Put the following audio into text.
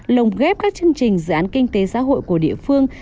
lồng ghép các chương trình dự án kinh tế xã hội của địa phương